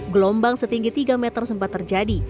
gelombang setinggi tiga meter sempat terjadi